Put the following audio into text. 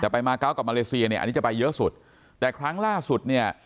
แต่ไปมาเกาะกับมาเลเซียเนี่ยอันนี้จะไปเยอะสุดแต่ครั้งล่าสุดเนี่ย